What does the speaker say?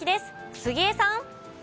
杉江さん。